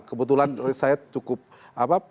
kebetulan saya cukup fokus di golkar